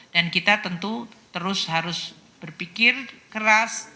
dan kita tentu terus harus berpikir keras